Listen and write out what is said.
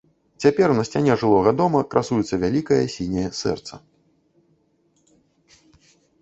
Цяпер на сцяне жылога дома красуецца вялікае сіняе сэрца.